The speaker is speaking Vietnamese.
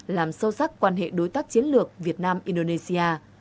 làm sâu sắc quan hệ đối tác chiến lược việt nam indonesia